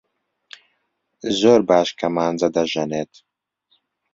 زۆر باش کەمانچە دەژەنێت.